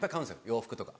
洋服とか。